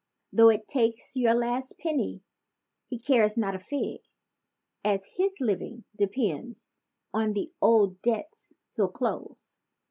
Though it takes your last penny, he cares not a fig, As his living depends on the old debts he'll close.